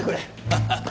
ハハハ。